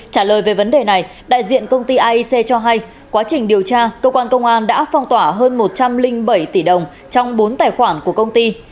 trả lời về vấn đề này đại diện công ty aic cho hay quá trình điều tra cơ quan công an đã phong tỏa hơn một trăm linh bảy tỷ đồng trong bốn tài khoản của công ty